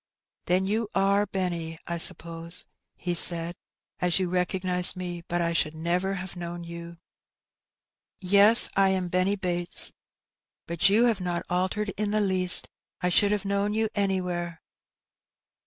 '"Then you are Benny, I suppose," he said, ''as you ^recognize me, but I should never have known you." "Yes, I. am Benny Bates, but you have not altered in the least; I should have known you anywhere."